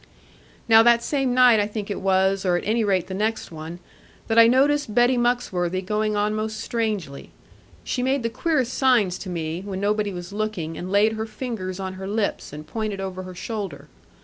Now that same night I think it was, or at any rate the next one, that I noticed Betty Muxworthy going on most strangely. She made the queerest signs to me, when nobody was looking, and laid her fingers on her lips, and pointed over her shoulder.